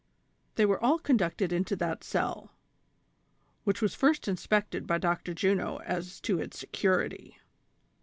They were all conducted into that cell, which was first inspected by Dr. Juno as to its security.